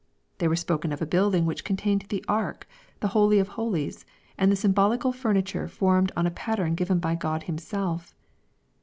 They were spoken of a building which contained the ark, the holy of holies, and the symbolical furniture formed on a pattern given by God Himself.